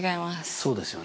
そうですよね。